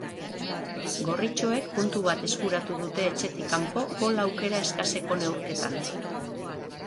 Gorritxoek puntu bat eskuratu dute etxetik kanpo gol aukera eskaseko neurketan.